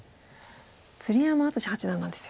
鶴山淳志八段なんですよ。